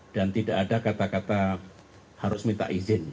dan tidak ada kata kata harus minta izin